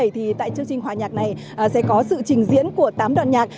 thì tại chương trình hòa nhạc này sẽ có sự trình diễn của tám đoàn nhạc